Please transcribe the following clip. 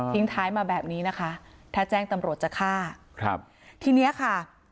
ท้ายมาแบบนี้นะคะถ้าแจ้งตำรวจจะฆ่าครับทีเนี้ยค่ะ